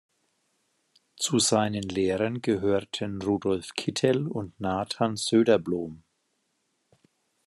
Zu seinen Lehrern gehörten Rudolf Kittel und Nathan Söderblom.